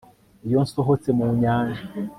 Iyo nsohotse mu nyanja